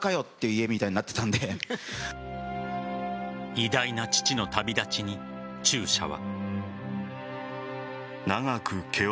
偉大な父の旅立ちに中車は。